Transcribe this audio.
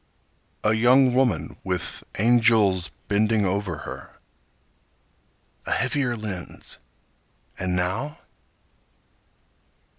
A young woman with angels bending over her. A heavier lens! And now?